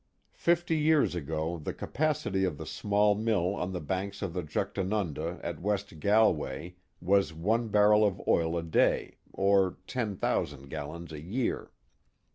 Fifty years ago the capacity of the small mill on the banks of tiie Juchtanunda at West Galway was one barrel of oil a day or 10,000 gallons a year.